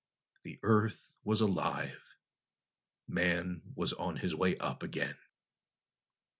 The Earth was alive. Man was on his way up again.